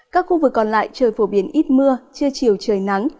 các khu vực còn lại trời phổ biến ít mưa trưa chiều trời nắng